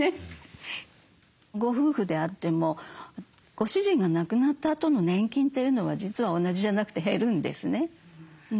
ご夫婦であってもご主人が亡くなったあとの年金というのは実は同じじゃなくて減るんですね。